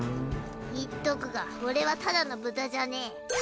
言っとくが俺はただの豚じゃねぇ。